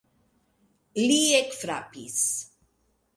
Li ekfrapis.